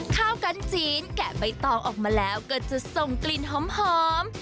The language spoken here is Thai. ข้าวกันจีนแกะใบตองออกมาแล้วก็จะส่งกลิ่นหอม